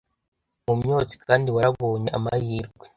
mumyotsi kandi warabonye amahirwe